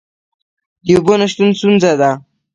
د اوبو نشتون ستونزه ده؟